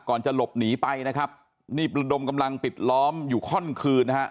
จะหลบหนีไปนะครับนี่ประดมกำลังปิดล้อมอยู่ข้อนคืนนะฮะ